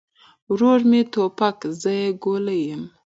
ورور مې توپک، زه يې ګولۍ يم